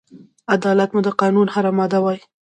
عدالت مو د قانون هره ماده وای